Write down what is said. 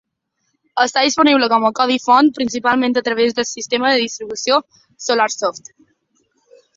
Està disponible com a codi font, principalment a través del sistema de distribució Solarsoft.